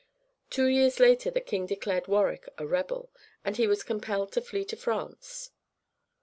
Two years later the king declared Warwick a rebel; and he was compelled to flee to France.